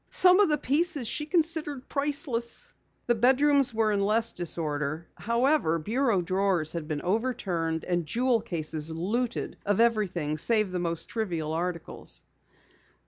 Some of the pieces she considered priceless." The bedrooms were in less disorder. However, bureau drawers had been overturned, and jewel cases looted of everything save the most trivial articles.